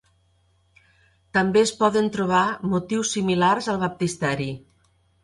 També es poden trobar motius similars al baptisteri.